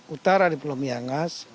utara di pulau miangas